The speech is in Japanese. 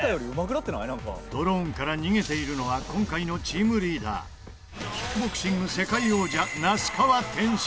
ドローンから逃げているのは今回のチームリーダーキックボクシング世界王者那須川天心